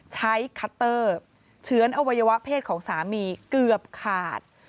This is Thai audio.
คัตเตอร์เฉือนอวัยวะเพศของสามีเกือบขาด